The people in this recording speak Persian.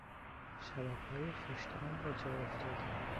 شرابهای خوش طعم و جاافتاده